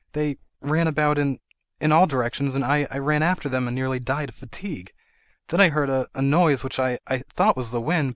They—ran about in—in all directions, and I—I—ran after them and nearly died of fatigue. Then I heard a—a noise, which I—I thought was the wind.